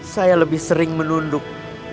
saya lebih sering menunduk